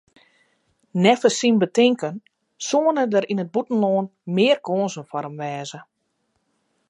Neffens syn betinken soene der yn it bûtenlân mear kânsen foar him wêze.